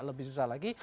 juga lebih susah lagi